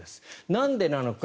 なんでなのか。